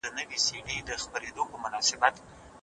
متحده عربي امارات د افغانستان د راتلونکي په اړه څه غواړي؟